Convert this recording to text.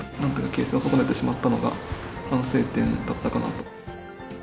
形勢を損ねてしまったのが、反省点だったかなと。